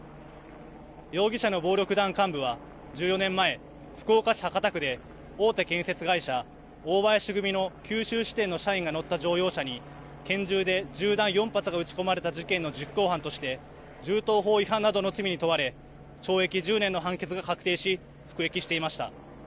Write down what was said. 容疑者の暴力団幹部は１４年前、福岡市博多区で大手建設会社、大林組の九州支店の社員が乗った乗用車に拳銃で銃弾４発が撃ち込まれた事件の実行犯として銃刀法違反などの罪に問われ懲役１０年の判決が確定し服役していました。